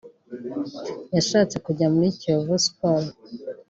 yashatse kujya muri Kiyovu Sport